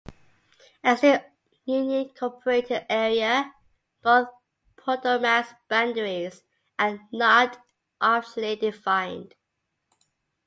As an unincorporated area, North Potomac's boundaries are not officially defined.